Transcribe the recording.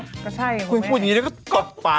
ก็ใช่เลยนะคุณคุยอย่างนี้แล้วก็ตอกปาก